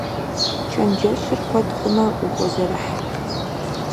Чэнджэщыр куэд хъумэ, ухозэрыхь.